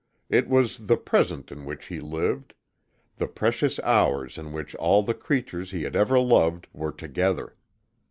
It was the present in which he lived the precious hours in which all the creatures he had ever loved were together.